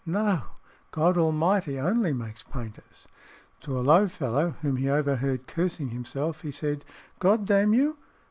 No; God Almighty only makes painters." To a low fellow whom he overheard cursing himself he said, "God damn you?